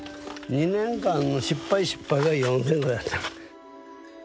２年間の失敗失敗が４，０００個やった。